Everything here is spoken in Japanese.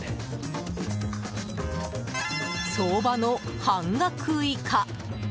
相場の半額以下。